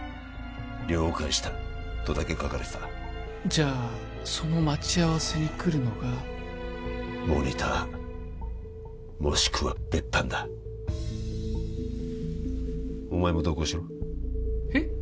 「了解した」とだけ書かれてたじゃあその待ち合わせに来るのがモニターもしくは別班だお前も同行しろえっ？